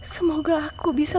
semoga aku bisa